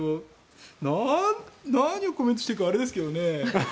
何をコメントしていいかあれですけどね。